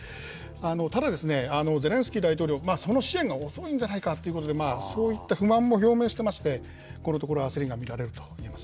ただ、ゼレンスキー大統領、その支援が遅いんじゃないかと、そういった不満も表明してまして、このところ焦りが見えると見られま